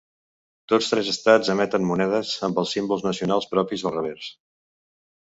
Tots tres estats emeten monedes amb els símbols nacionals propis al revers.